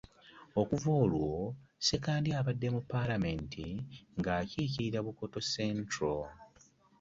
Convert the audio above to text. Okuva olwo Sekandi abadde mu Palamenti ng’akiikirira Bukoto Central.